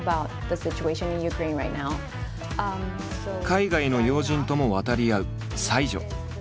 海外の要人とも渡り合う才女。